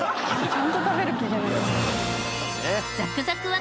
「ちゃんと食べる気じゃないですか」